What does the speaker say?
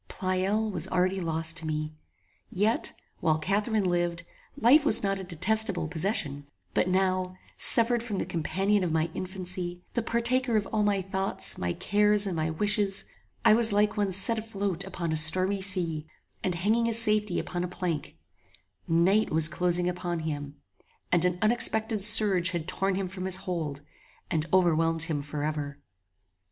Pleyel was already lost to me; yet, while Catharine lived life was not a detestable possession: but now, severed from the companion of my infancy, the partaker of all my thoughts, my cares, and my wishes, I was like one set afloat upon a stormy sea, and hanging his safety upon a plank; night was closing upon him, and an unexpected surge had torn him from his hold and overwhelmed him forever.